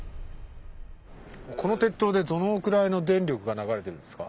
この鉄塔でどのくらいの電力が流れてるんですか？